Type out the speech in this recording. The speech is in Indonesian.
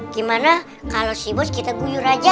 gimana kalau si bos kita guyur aja